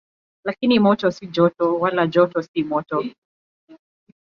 Lakini moto si joto, wala joto si moto.